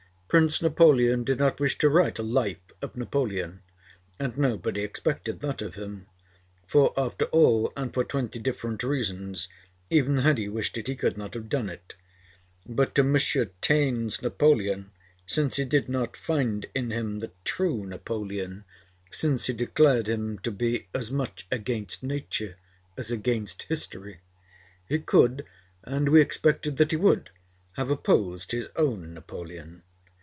Prince Napoleon did not wish to write a 'Life of Napoleon,' and nobody expected that of him, for after all, and for twenty different reasons, even had he wished it he could not have done it. But to M. Taine's Napoleon, since he did not find in him the true Napoleon, since he declared him to be as much against nature as against history, he could, and we expected that he would, have opposed his own Napoleon.